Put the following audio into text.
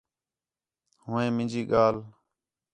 ہو نے مَنی مینجی ڳالھ